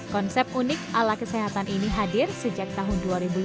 konsep unik ala kesehatan ini hadir sejak tahun dua ribu lima